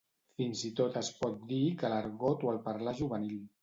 Fins i tot es pot dir que l'argot o el parlar juvenil.